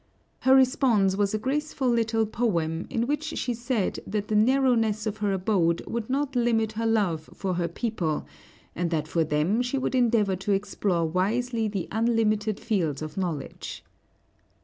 Her response was a graceful little poem, in which she said that the narrowness of her abode would not limit her love for her people, and that for them she would endeavor to explore wisely the unlimited fields of knowledge.